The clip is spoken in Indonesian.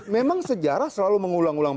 memang sejarah selalu mengulang ulang